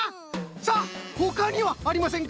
さあほかにはありませんか？